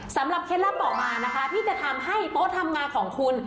สำหรับเคล็ดลับออกมาที่จะทำให้โต๊ะทำงานของคุณ